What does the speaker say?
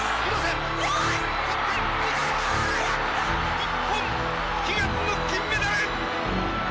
日本、悲願の金メダル！